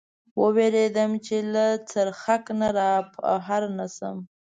و وېرېدم، چې له څرخک نه را بهر نه شم.